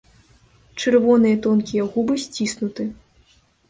Чырвоныя тонкія губы сціснуты.